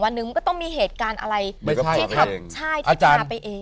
วันหนึ่งมันก็ต้องมีเหตุการณ์อะไรที่ท่าไปเอง